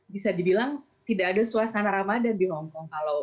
bisa dibilang tidak ada suasana ramadan di hongkong